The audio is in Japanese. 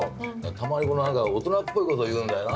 たまに何か大人っぽい事言うんだよな。